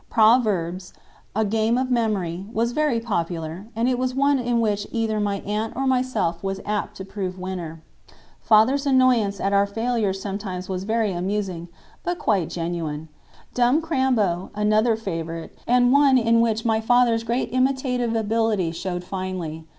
"Proverbs," a game of memory, was very popular, and it was one in which either my aunt or myself was apt to prove winner. Father's annoyance at our failure sometimes was very amusing, but quite genuine. "Dumb Crambo" was another favorite, and one in which my father's great imitative ability showed finely.